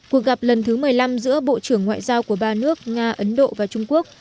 cuộc gặp lần thứ một mươi năm giữa bộ trưởng ngoại giao của ba nước nga ấn độ và trung quốc